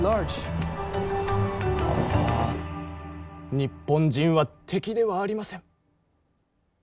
日本人は敵ではありません。